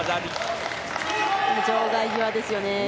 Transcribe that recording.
場外際ですよね。